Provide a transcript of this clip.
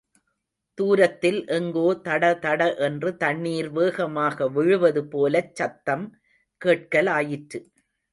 தூரத்தில் எங்கோ தடதட என்று தண்ணீர் வேகமாக விழுவது போலச் சத்தம் கேட்கலாயிற்று.